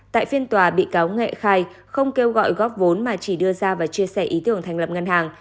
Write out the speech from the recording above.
tại phiên tòa bị cáo nghệ khai không kêu gọi góp vốn mà chỉ đưa ra và chia sẻ ý tưởng thành lập ngân hàng